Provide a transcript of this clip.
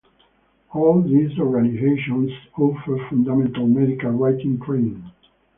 All these organizations offer fundamental medical writing training.